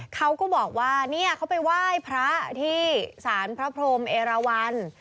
เขาก็บอกว่าเนี่ยเขาไปไหว้พระที่สารพระพรมเอราวัน